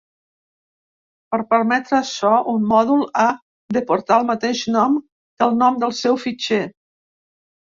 Per permetre açò, un mòdul ha de portar el mateix nom que el nom del seu fitxer.